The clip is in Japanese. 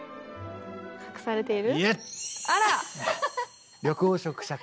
隠されている。